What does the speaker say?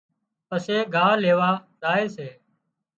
پسي ڳاهَ ليوا زائي سي۔